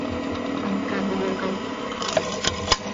Hacat iyocát.